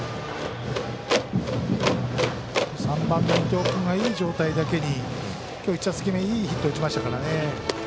３番の伊藤君がいい状態なだけに今日、１打席目いいヒット打ちましたからね。